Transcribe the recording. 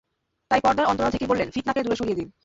তাই পর্দার অন্তরাল থেকেই বললেন, ফিতনাকে দূরে সরিয়ে দিন।